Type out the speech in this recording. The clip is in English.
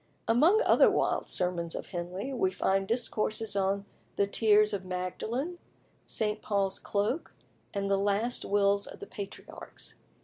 Among other wild sermons of Henley, we find discourses on "The Tears of Magdalen," "St. Paul's Cloak," and "The Last Wills of the Patriarchs."